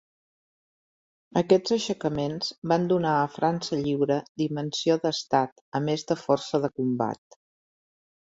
Aquests aixecaments van donar a França Lliure dimensió d'Estat a més de força de combat.